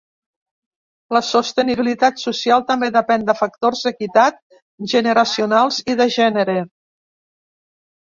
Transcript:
La sostenibilitat social també depèn de factors d’equitat, generacionals i de gènere.